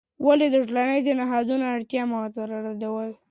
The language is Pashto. ولې د ټولنیزو نهادونو اړتیا مه ردوې؟